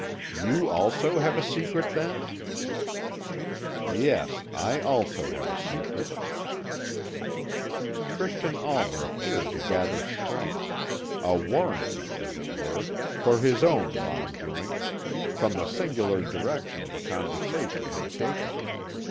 "You also have a secret then?" "Yes, I also have a secret." Christian Almer appeared to gather strength a warranty, as it were, for his own wrong doing from the singular direction the conversation had taken.